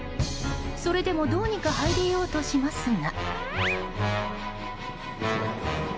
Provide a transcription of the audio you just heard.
それでも、どうにかはい出ようとしますが。